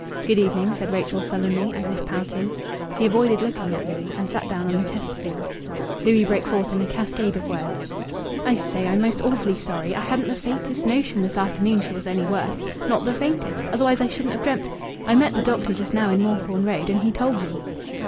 "Good evening," said Rachel sullenly, as if pouting. She avoided looking at Louis, and sat down on the Chesterfield. Louis broke forth in a cascade of words "I say, I'm most awfully sorry. I hadn't the faintest notion this afternoon she was any worse not the faintest. Otherwise I shouldn't have dreamt I met the doctor just now in Moorthorne Road, and he told me."